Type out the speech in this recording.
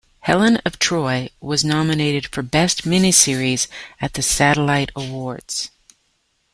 "Helen of Troy" was nominated for best miniseries at the Satellite Awards.